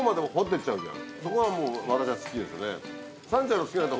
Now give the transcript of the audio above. そこがもう私は好きですね。